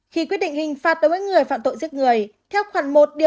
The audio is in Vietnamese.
khi quyết định hình phạt đối với người phạm tội giết người